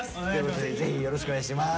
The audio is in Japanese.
ぜひぜひよろしくお願いします。